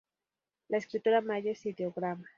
La escritura maya es ideograma.